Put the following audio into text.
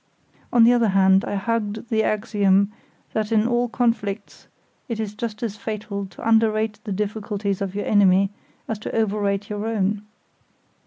On the other hand I hugged the axiom that in all conflicts it is just as fatal to underrate the difficulties of your enemy as to overrate your own.